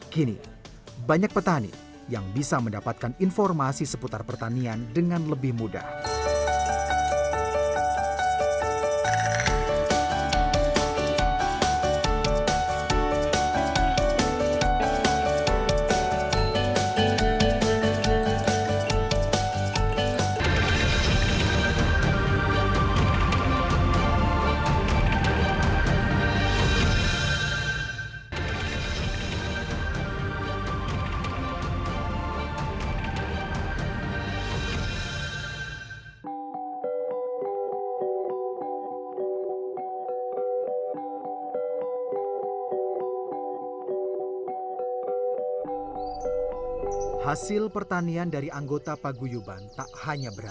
kini banyak petani yang bisa mendapatkan informasi seputar pertanian dengan lebih mudah